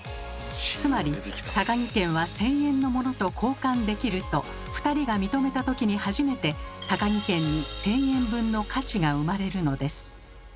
つまり「タカギ券は１，０００円のものと交換できる」と２人が認めたときに初めてタカギ券に１，０００円分の価値が生まれるのです。